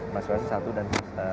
masyarakat satu dan